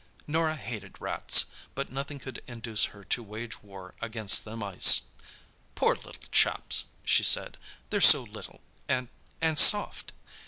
Norah hated rats, but nothing could induce her to wage war against the mice. "Poor little chaps!" she said; "they're so little—and—and soft!"